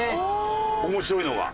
面白いのが。